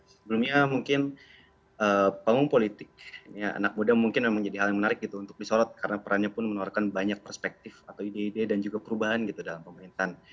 sebelumnya mungkin panggung politik anak muda mungkin memang menjadi hal yang menarik gitu untuk disorot karena perannya pun menawarkan banyak perspektif atau ide ide dan juga perubahan gitu dalam pemerintahan